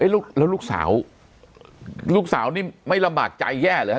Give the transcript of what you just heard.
แล้วลูกสาวลูกสาวนี่ไม่ลำบากใจแย่หรือฮ